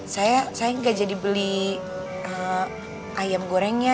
saya saya gak jadi beli ayam gorengnya